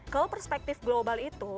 kalau perspektif global itu